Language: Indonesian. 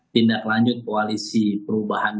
tindak lanjut koalisi perubahan